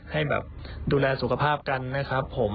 ให้แบบดูแลสุขภาพกันนะครับผม